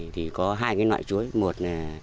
thì có hai cái loại chuối một là